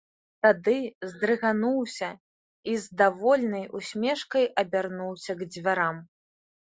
Тады здрыгануўся і з давольнай усмешкай абярнуўся к дзвярам.